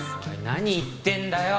何言ってんだよ！